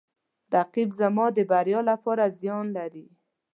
رقیب زما د بریا لپاره زیان لري